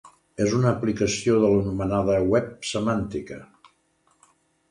És una aplicació de l'anomenada Web semàntica.